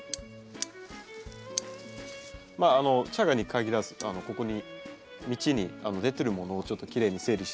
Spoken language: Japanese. まあシャガに限らずここに道に出てるものをちょっときれいに整理して。